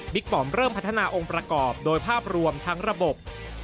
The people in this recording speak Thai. ปอมเริ่มพัฒนาองค์ประกอบโดยภาพรวมทั้งระบบ